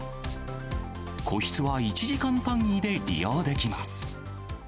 個室は１時間単位で利用できます。